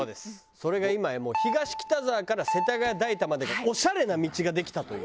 それが今やもう東北沢から世田谷代田までがオシャレな道ができたという。